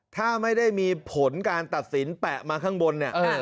ถ้าไม่ได้มีผลการตัดสินแปะมาข้างบนเนี่ย